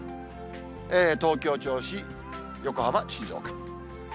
東京、銚子、横浜、静岡。